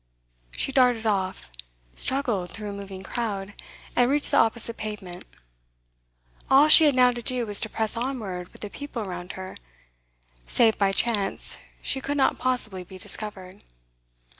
She darted off, struggled through a moving crowd, and reached the opposite pavement. All she had now to do was to press onward with the people around her; save by chance, she could not possibly be discovered.